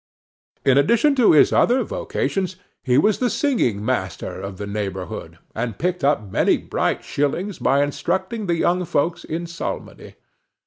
In addition to his other vocations, he was the singing master of the neighborhood, and picked up many bright shillings by instructing the young folks in psalmody.